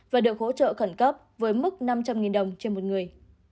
và được hỗ trợ khẩn cấp với mức năm trăm linh đồng trên một người